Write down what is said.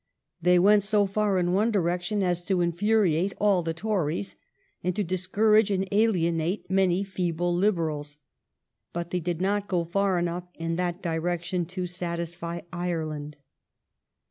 They went so far in one direc tion as to infuriate all the Tories and to discourage and alienate many feeble Liberals. But they did not go far enough in that direction to satisfy Ireland.